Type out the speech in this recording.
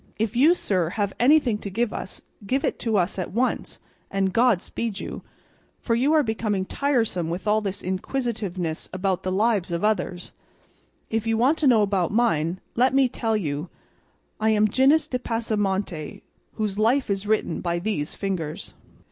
If you, sir, have anything to give us, give it to us at once, and God speed you, for you are becoming tiresome with all this inquisitiveness about the lives of others; if you want to know about mine, let me tell you I am Gines de Pasamonte, whose life is written by these fingers."